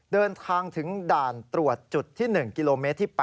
เดินทางถึงด่านตรวจจุดที่๑กิโลเมตรที่๘